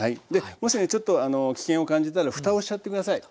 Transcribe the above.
もしねちょっと危険を感じたらふたをしちゃって下さい。